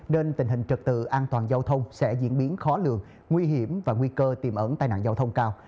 nên tình hình trật tự an toàn giao thông sẽ diễn biến khó lường nguy hiểm và nguy cơ tiềm ẩn tai nạn giao thông cao